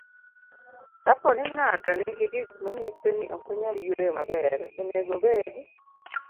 Kapo ni ng'ato nigi gik manyiso ni ok onyal yueyo maber, onego obed